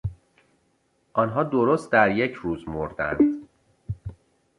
آنها درست در یک روز مردند.